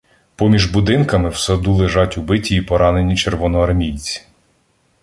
Поміж будинками, в саду лежать убиті і поранені червоноармійці.